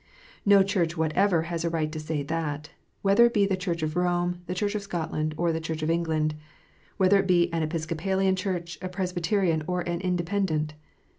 No Church whatever lias a right to say that ; whether it be the Church of Konie, the Church of Scotland, or the Church of England ; whether it be an Episcopalian Church, a Presbyterian, or an Independent.